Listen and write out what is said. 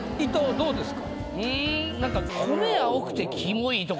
どうですか？